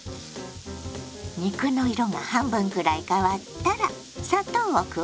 肉の色が半分くらい変わったら砂糖を加えます。